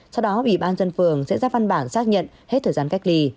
sau đó ủy ban dân phường sẽ ra văn bản xác nhận hết thời gian cách ly